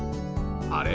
あれ？